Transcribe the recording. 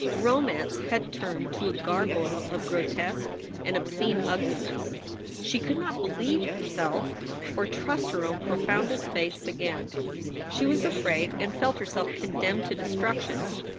Romance had turned to a gargoyle of gro tesque and obscene ugliness. She could not believe herself or trust her own profoundest faiths again. She was afraid and felt herself condemned to destruction.